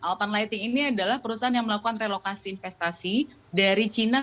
alpan lighting ini adalah perusahaan yang melakukan relokasi investasi dari china